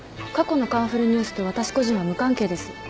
過去の『カンフルＮＥＷＳ』と私個人は無関係です。